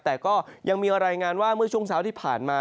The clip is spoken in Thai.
แต่ก็ยังมีรายงานว่าเมื่อช่วงเช้าที่ผ่านมา